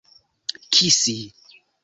kisi